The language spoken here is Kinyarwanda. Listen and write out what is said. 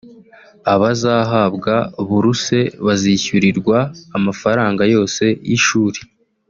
Abazahabwa buruse bazishyurirwa amafaranga yose y’ishuri